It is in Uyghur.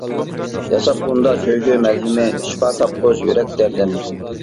ياساپ ئۇندا سۆيگۈ مەلھىمى، شىپا تاپقۇز يۈرەك دەردىنى.